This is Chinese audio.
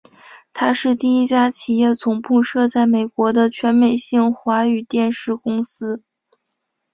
它是第一家企业总部设在美国的全美性华语电视公司。